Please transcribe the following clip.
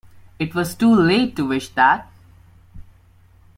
It was too late to wish that!